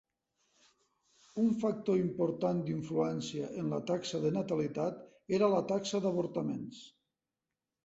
Un factor important d'influència en la taxa de natalitat era la taxa d'avortaments.